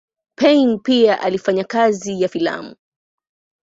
Payn pia alifanya kazi ya filamu.